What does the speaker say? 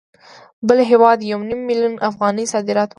بل هېواد یو نیم میلیون افغانۍ صادرات وکړي